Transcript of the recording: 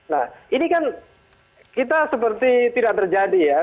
nah ini kan kita seperti tidak terjadi ya